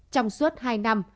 trong suốt hai năm